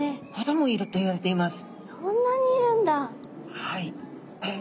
はい。